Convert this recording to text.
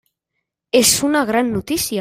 És una gran notícia.